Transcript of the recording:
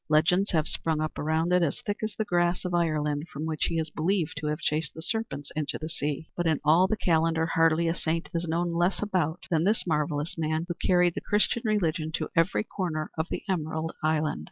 Legends have sprung up around it as thick as the grass of Ireland from which he is believed to have chased the serpents into the sea but in all the calendar hardly a saint is known less about than this marvelous man, who carried the Christian religion to every corner of the emerald island.